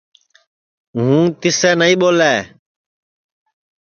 ہُوں بانوس نائیں ٻولے